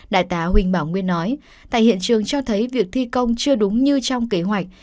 đại tá huỳnh bảo nguyên nói tại hiện trường cho thấy việc thi công chưa đúng như trong kế hoạch